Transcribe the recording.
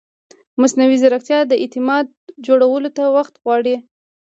مصنوعي ځیرکتیا د اعتماد جوړولو ته وخت غواړي.